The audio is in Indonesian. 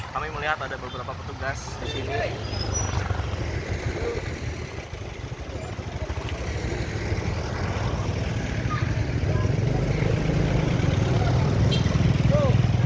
kami melihat ada beberapa petugas di sini